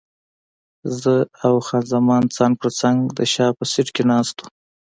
زه او خان زمان څنګ پر څنګ د شا په سیټ کې ناست وو.